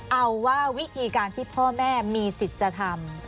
เอาว่าวิธีการที่พ่อแม่มีสิทธิ์จะทำ